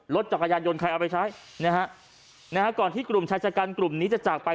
รถจักรยานยนต์ใครเอาไปใช้นะฮะนะฮะก่อนที่กลุ่มชายชะกันกลุ่มนี้จะจากไป